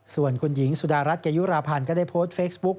ส่วนคุณหญิงสุดารัฐเกยุราพันธ์ก็ได้โพสต์เฟซบุ๊ก